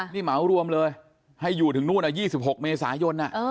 นี่เหมารวมเลยให้อยู่ถึงนู่น๒๖เมษายน